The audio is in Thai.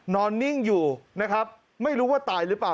นิ่งอยู่นะครับไม่รู้ว่าตายหรือเปล่า